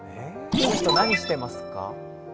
この人、何をしてますか？